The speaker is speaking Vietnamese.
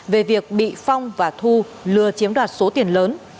về việc bị phong và thu lừa chiếm đoạt số tiền lớn